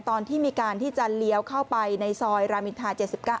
ตอนที่มีการที่จะเลี้ยวเข้าไปในซอยรามอินทา๗๙